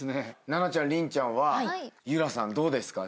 奈々ちゃん麟ちゃんは夢空さんどうですか？